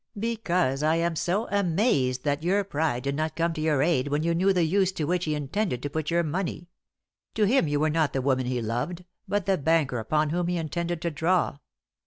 "Because I am so amazed that your pride did not come to your aid when you knew the use to which he intended to put your money. To him you were not the woman he loved but the banker upon whom he intended to draw."